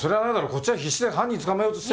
こっちは必死で犯人捕まえようとして。